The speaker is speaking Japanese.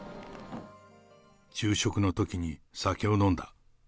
昼食のときに酒を飲んだ。